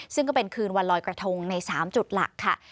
ซึ่งก็เป็นคืนวันลอยกระทงใน๓จุดหลักค่ะ